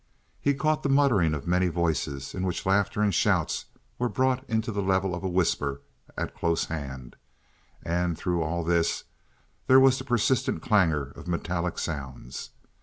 He caught the muttering of many voices, in which laughter and shouts were brought to the level of a whisper at close hand; and through all this there was a persistent clangor of metallic sounds.